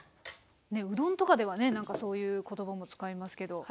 うどんとかではね何かそういう言葉も使いますけど。